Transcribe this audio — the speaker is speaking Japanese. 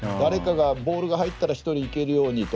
ボールが入ったら誰か１人が行けるようにと。